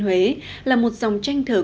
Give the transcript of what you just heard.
hệ thống di sản thơ văn hóa